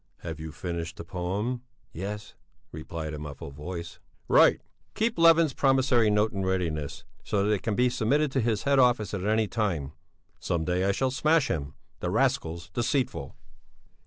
Have you finished the poem?" "Yes," replied a muffled voice. "Right! Keep Levin's promissory note in readiness, so that it can be submitted to his head office at any time. Some day I shall smash him. The rascal's deceitful."